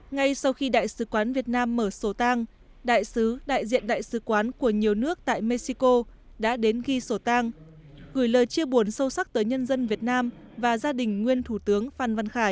ngay sau khi đại sứ quán việt nam mở sổ tang đại sứ đại diện đại sứ quán của nhiều nước tại mexico đã đến ghi sổ tang gửi lời chia buồn sâu sắc tới nhân dân việt nam và gia đình nguyên thủ tướng phan văn khải